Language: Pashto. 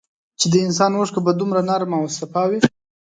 چي د انسان اوښکه به دومره نرمه او سپا وې